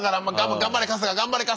頑張れ春日頑張れ春日！